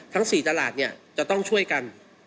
ทั้ง๔ตลาดเนี่ยจะต้องช่วยกัน